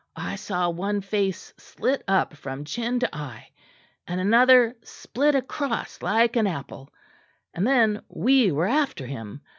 "I saw one face slit up from chin to eye; and another split across like an apple; and then we were after him.